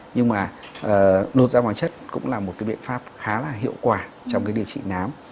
nhưng mà lột da bằng hóa chất cũng là một cái biện pháp khá là hiệu quả trong cái điều trị nám